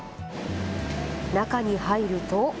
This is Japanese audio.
中に入ると。